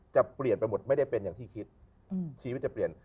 จะเปลี่ยนไปหมดไม่ได้เป็นอย่างที่คิดชีวิตจะเปลี่ยน